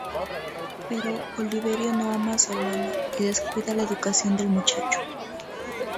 Pero Oliverio no ama a su hermano y descuida la educación del muchacho.